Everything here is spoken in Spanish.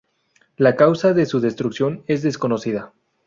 La causa de su destrucción es desconocida.